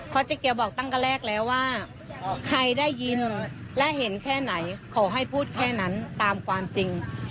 เพราะเจ๊เกียวบอกตั้งแต่แรกแล้วว่าใครได้ยินและเห็นแค่ไหนขอให้พูดแค่นั้นตามความจริง